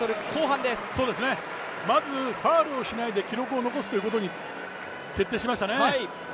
まずファウルをしないで記録を残すということに徹底しましたね。